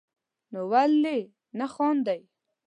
نو ولي نه خاندئ